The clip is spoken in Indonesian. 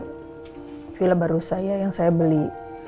di vila baru saya yang saya beli